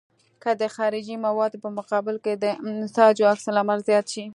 که د خارجي موادو په مقابل کې د انساجو عکس العمل زیات شي.